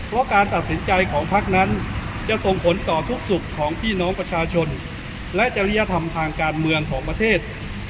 เพราะการตัดสินใจของพักนั้นจะส่งผลต่อทุกสุขของพี่น้องประชาชนและจริยธรรมทางการเมืองของประเทศ